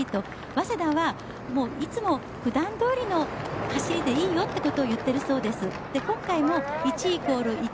早稲田はいつも普段どおりの走りでいいよということを言っているそうです。